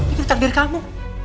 itu takdir kamu